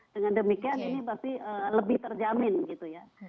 dengan demikian ini pasti lebih terjamin gitu ya